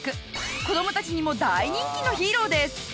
子供たちにも大人気のヒーローです。